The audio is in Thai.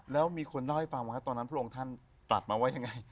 แล้วมีคนเล่าให้ฟังว่าตอนนั้นพระองค์ท่านกราบมาไว้ยังไง